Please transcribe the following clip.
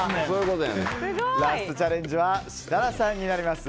ラストチャレンジは設楽さんになります。